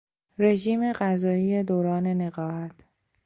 رژیم غذایی دوران نقاهت